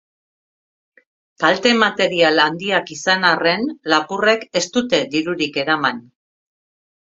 Kalte material handiak izan arren, lapurrek ez dute dirurik eraman.